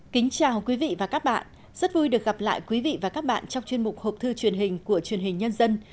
chào mừng quý vị đến với bộ phim học thư truyền hình của truyền hình nhân dân